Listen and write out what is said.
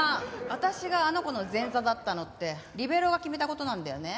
私があの子の前座だったのってリベロウが決めた事なんだよね？